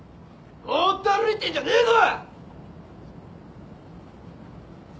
ぼーっと歩いてんじゃねえぞ！